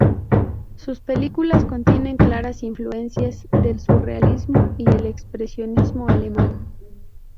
Sus películas contienen claras influencias del surrealismo y el expresionismo alemán.